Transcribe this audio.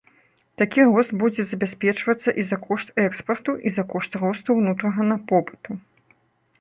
Такі рост будзе забяспечвацца і за кошт экспарту, і за кошт росту ўнутранага попыту.